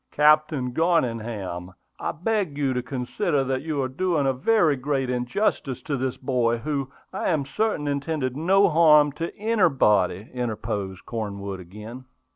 "Captain Garningham, I beg you to consider that you are doing a very great injustice to this boy, who, I am certain, intended no harm to anybody," interposed Cornwood again.